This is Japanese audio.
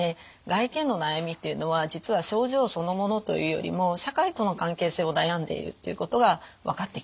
外見の悩みっていうのは実は症状そのものというよりも社会との関係性を悩んでいるっていうことが分かってきました。